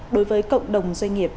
đối với cộng đồng doanh nghiệp